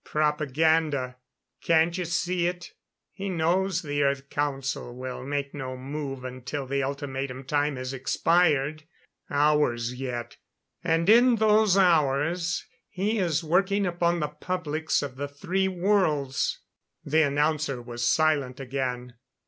"Propaganda. Can't you see it? He knows the Earth Council will make no move until the ultimatum time has expired. Hours yet. And in those hours, he is working upon the publics of the three worlds." The announcer was silent again.